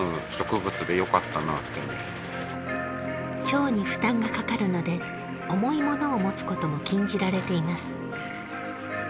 腸に負担がかかるので重いものを持つことも禁じられています。